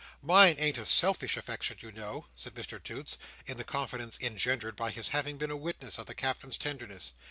Mine ain't a selfish affection, you know," said Mr Toots, in the confidence engendered by his having been a witness of the Captain's tenderness.